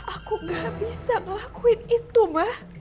aku gak bisa ngelakuin itu mah